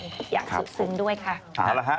ครับคุณครับอยากสุดซึ้งด้วยค่ะถามแล้วครับ